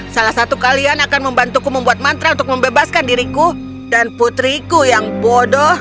salah satu kalian akan membantuku membuat mantra untuk membebaskan diriku dan putriku yang bodoh